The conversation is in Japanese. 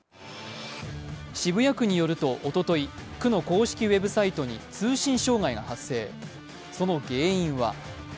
渋谷区によるとおととい、区の公式ウェブサイトに通信障害が発生、その原因は。